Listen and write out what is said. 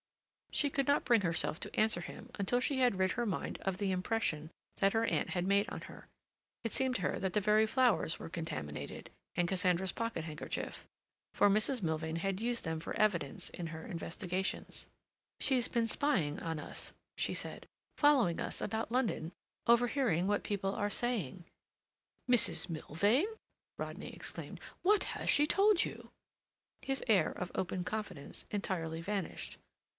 She could not bring herself to answer him until she had rid her mind of the impression that her aunt had made on her. It seemed to her that the very flowers were contaminated, and Cassandra's pocket handkerchief, for Mrs. Milvain had used them for evidence in her investigations. "She's been spying upon us," she said, "following us about London, overhearing what people are saying—" "Mrs. Milvain?" Rodney exclaimed. "What has she told you?" His air of open confidence entirely vanished.